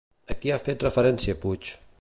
A qui ha fet referència Puig?